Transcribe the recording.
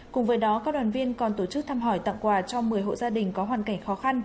cùng với đó các đoàn viên còn tổ chức thăm hỏi tặng quà cho một mươi hộ gia đình có hoàn cảnh khó khăn